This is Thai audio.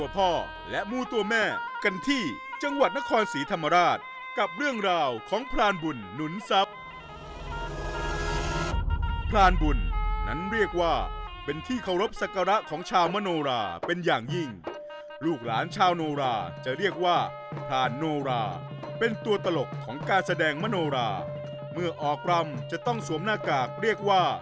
พ่อและมูลตัวแม่กันที่จังหวัดนครศรีธรรมราชกับเรื่องราวของพรานบุญหนุนทรัพย์